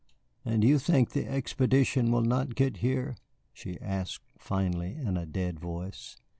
"And you think the expedition will not get here?" she asked finally, in a dead voice.